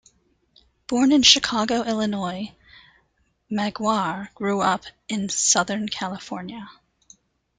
Born in Chicago, Illinois, Maggiore grew up in Southern California.